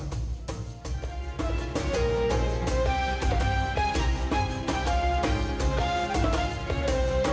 waalaikumsalam warahmatullahi wabarakatuh